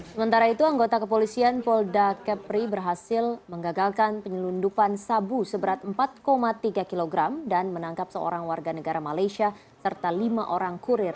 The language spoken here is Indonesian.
sementara itu anggota kepolisian polda kepri berhasil menggagalkan penyelundupan sabu seberat empat tiga kg dan menangkap seorang warga negara malaysia serta lima orang kurir